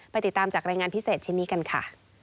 ติดตามจากรายงานพิเศษชิ้นนี้กันค่ะ